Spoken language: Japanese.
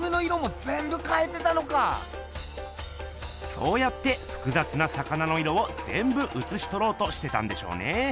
そうやってふくざつな魚の色をぜんぶうつしとろうとしてたんでしょうね。